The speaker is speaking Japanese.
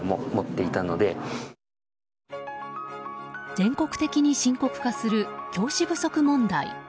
全国的に深刻化する教師不足問題。